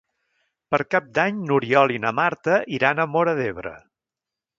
Per Cap d'Any n'Oriol i na Marta iran a Móra d'Ebre.